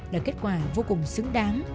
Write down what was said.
là kết quả vô cùng xứng đáng